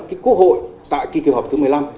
cái quốc hội tại kỳ họp thứ một mươi năm